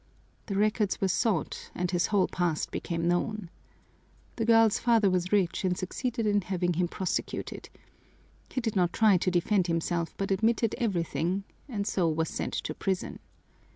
The records were sought and his whole past became known. The girl's father was rich and succeeded in having him prosecuted. He did not try to defend himself but admitted everything, and so was sent to prison.